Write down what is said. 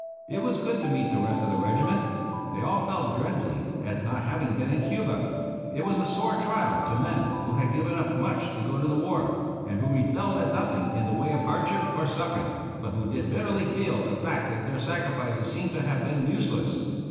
It was good to meet the rest of the regiment. They all felt dreadfully at not having been in Cuba. It was a sore trial to men who had given up much to go to the war, and who rebelled at nothing in the way of hardship or suffering, but who did bitterly feel the fact that their sacrifices seemed to have been useless.